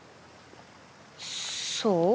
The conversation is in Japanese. そう？